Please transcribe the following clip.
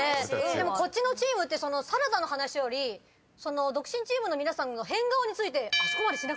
でもこっちのチームってサラダの話より独身チームの皆さんの変顔について。